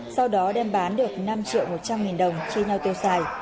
sau đó đem bán được năm triệu một trăm linh nghìn đồng chia nhau tiêu xài